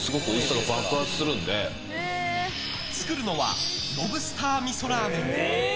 作るのはロブスター味噌ラーメン。